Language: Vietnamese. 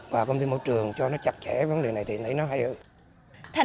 và công ty môi trường cho nó chặt chẽ vấn đề này thì thấy nó hay hơn